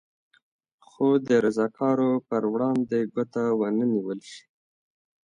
خو د رضاکارو پر وړاندې ګوته ونه نېول شي.